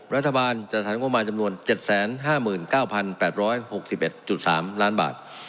รัฐบาลจัดสรรงบประมาณจำนวน๗๕๙๘๖๑๓ล้านบาท